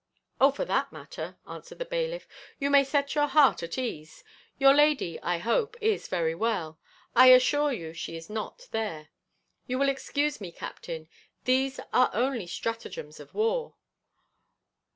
"Oh, for that matter," answered the bailiff, "you may set your heart at ease. Your lady, I hope, is very well; I assure you she is not there. You will excuse me, captain, these are only stratagems of war.